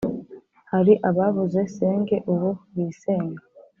hari ababuze senge ubu bisenga ,